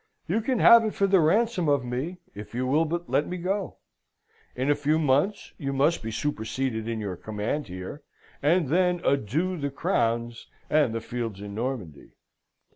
You can have it for the ransom of me, if you will but let me go. In a few months you must be superseded in your command here, and then adieu the crowns and the fields in Normandy!